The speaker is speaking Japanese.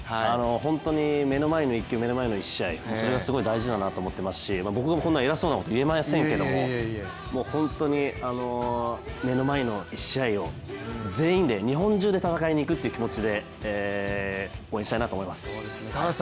本当に目の前の１球、目の前の１試合、それが大事だなと思っていますし僕がこんな偉そうなこと言えませんけれども、目の前の１試合を全員で、日本中で戦いに行くという気持ちで応援したいなと思います。